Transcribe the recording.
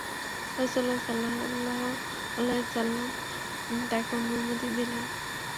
রাসূলুল্লাহ সাল্লাল্লাহু আলাইহি ওয়াসাল্লাম তাঁকে অনুমতি দিলেন।